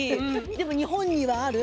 でも日本にはある。